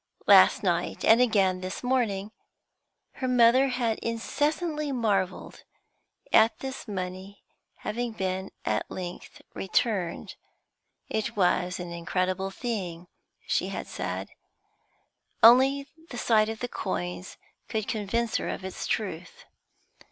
Last night, and again this morning, her mother had incessantly marvelled at this money having been at length returned; it was an incredible thing, she had said; only the sight of the coins could convince her of its truth.